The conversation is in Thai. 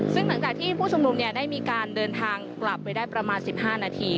ซึ่งหลังจากที่ผู้ชุมนุมได้มีการเดินทางกลับไปได้ประมาณ๑๕นาที